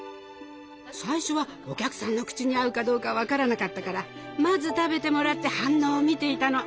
最初はお客さんの口に合うかどうか分からなかったからまず食べてもらって反応を見ていたの。